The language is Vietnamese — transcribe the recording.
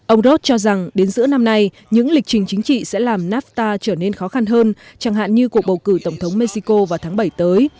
ông rod cho rằng đến giữa năm nay những lịch trình chính trị sẽ làm nafta trở nên khó khăn hơn chẳng hạn như cuộc bầu cử tổng thống mexico vào tháng bảy tới